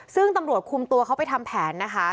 ซึ่งตำรวจคุมตัวเขาไปทำแผนนะคะ